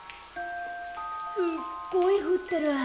すっごいふってる。